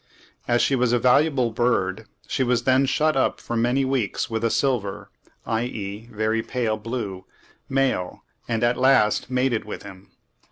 As she was a valuable bird, she was then shut up for many weeks with a silver (i.e., very pale blue) male, and at last mated with him.